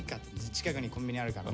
近くにコンビニあるから。